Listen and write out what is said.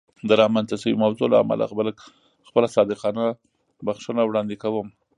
د رامنځته شوې موضوع له امله خپله صادقانه بښنه وړاندې کوم.